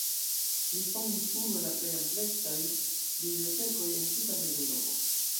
Li fondis unu el la plej ampleksaj bibliotekoj en tuta Mezeŭropo.